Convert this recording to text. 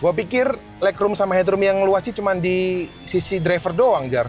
gue pikir lag room sama headroom yang luas sih cuma di sisi driver doang jar